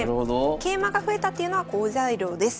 桂馬が増えたっていうのは好材料です。